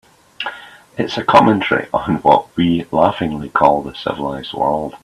It's a commentary on what we laughingly call the civilized world.